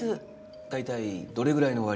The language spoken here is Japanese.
大体どれぐらいの割で？